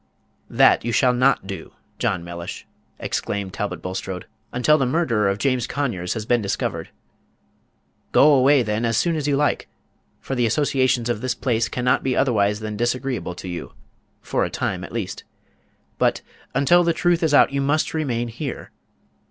"That you shall not do, John Mellish," exclaimed Talbot Bulstrode, "until the murderer of James Conyers has been discovered. Go away then as soon as you like, for the associations of this place can not be otherwise than disagreeable to you for a time, at least. But, until the truth is out, you must remain here.